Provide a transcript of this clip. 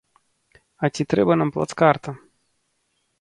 А ці трэба нам плацкарта?